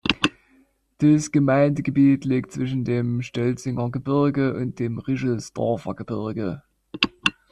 Das Gemeindegebiet liegt zwischen dem Stölzinger Gebirge und dem Richelsdorfer Gebirge.